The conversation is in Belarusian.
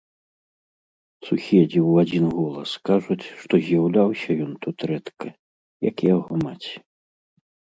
Суседзі ў адзін голас кажуць, што з'яўляўся ён тут рэдка, як і яго маці.